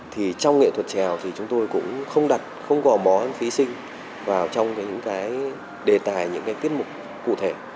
thì trong nghệ thuật trèo thì chúng tôi cũng không đặt không gò bó thí sinh vào trong những cái đề tài những cái tiết mục cụ thể